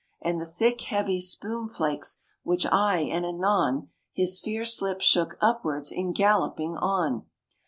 And the thick heavy spume flakes which aye and anon His fierce lips shook upwards in galloping on.